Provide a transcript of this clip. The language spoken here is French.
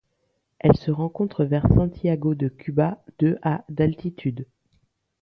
Elle se rencontre vers Santiago de Cuba de à d'altitude.